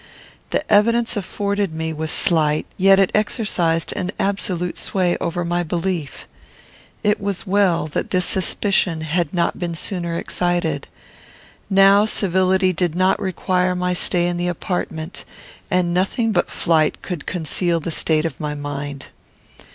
The evidence afforded me was slight; yet it exercised an absolute sway over my belief. It was well that this suspicion had not been sooner excited. Now civility did not require my stay in the apartment, and nothing but flight could conceal the state of my mind.